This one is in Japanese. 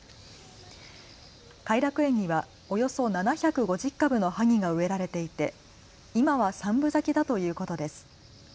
偕楽園にはおよそ７５０株のはぎが植えられていて今は３分咲きだということです。